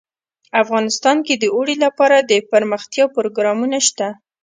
افغانستان کې د اوړي لپاره دپرمختیا پروګرامونه شته.